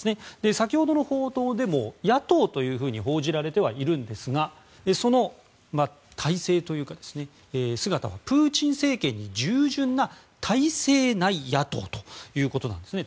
先ほどの報道でも野党というふうに報じられてはいるんですがその体制というか姿はプーチン政権に従順な体制内野党ということなんですね。